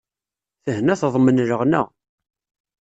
Lehna teḍmen leɣna.